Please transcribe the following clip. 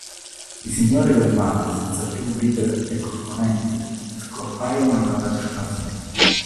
I Signori del Male, senza più un leader e componenti, scompaiono dalla circolazione.